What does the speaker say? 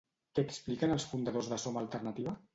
Què expliquen els fundadors de Som Alternativa?